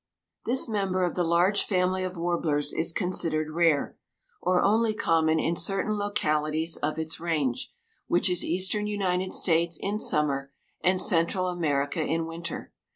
_) This member of the large family of warblers is considered rare, or only common in certain localities of its range, which is eastern United States in summer and Central America in winter.